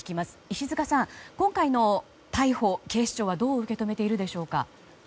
石塚さん、今回の逮捕を警視庁はどう受け止めているでしょうか。